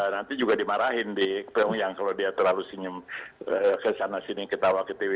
nanti juga dimarahin di pyongyang kalau dia terlalu senyum kesana sini ketawa ke tv